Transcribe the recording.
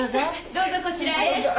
どうぞこちらへ。